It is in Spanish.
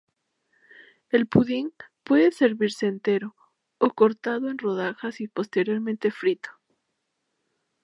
El 'pudding' puede servirse entero, o cortado en rodajas y posteriormente frito.